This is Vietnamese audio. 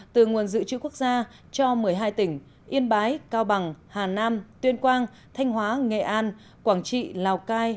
từ nguồn dự trữ quốc gia cho một mươi hai tỉnh yên bái cao bằng hà nam tuyên quang thanh hóa nghệ an quảng trị lào cai